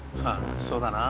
そうだな。